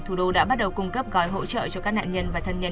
thủ đô đã bắt đầu cung cấp gói hỗ trợ cho các nạn nhân và thân nhân